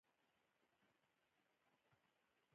ازادي راډیو د عدالت حالت ته رسېدلي پام کړی.